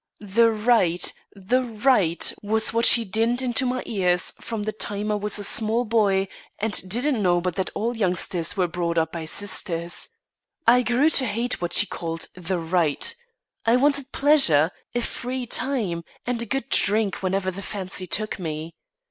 'The right! the right!' was what she dinned into my ears from the time I was a small boy and didn't know but that all youngsters were brought up by sisters. I grew to hate what she called 'the right,' I wanted pleasure, a free time, and a good drink whenever the fancy took me.